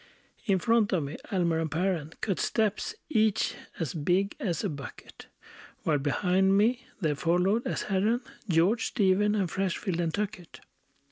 In front of me Almer and Perren Cut steps, each as big as a bucket; While behind me there followed, as Herren, George, Stephen, and Freshfield, and Tuckett.